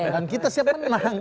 dan kita siap menang